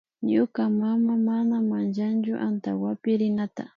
Ñuka mama mana manchanchu antankapi rinata